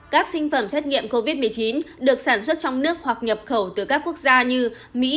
các sinh phẩm xét nghiệm covid một mươi chín được sản xuất trong nước hoặc nhập khẩu từ các quốc gia như mỹ